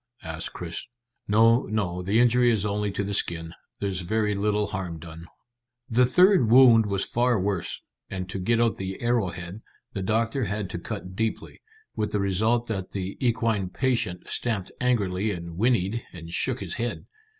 asked Chris. "No, no. The injury is only to the skin. There's very little harm done." The third wound was far worse, and to get out the arrowhead the doctor had to cut deeply, with the result that the equine patient stamped angrily and whinnied and shook his head.